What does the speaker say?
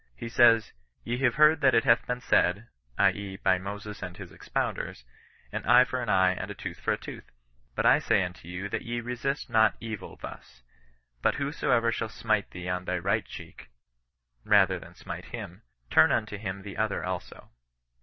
He says, " Ye have heard that it hath been said (i. e. by Moses and his expounders), an eye for an eye, and a tooth for a tooth ; but I say unto you that ye resist not evil (thus) ; but whosoever shall smite thee on thy right cheek (rather than smite him) turn unto him the other also."